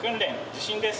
地震です。